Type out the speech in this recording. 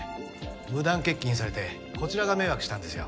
無断欠勤されてこちらが迷惑したんですよ。